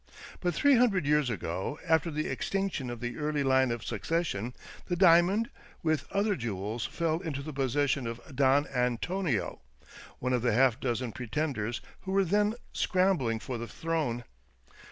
But three hundred years ago, after the extinction of the early Une of succession, the diamond, with other jewels, fell into the possession of Don Antonio, one of the half dozen pretenders who were then scrambling for the throne.